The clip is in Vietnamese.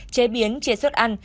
chế biến chế suất ăn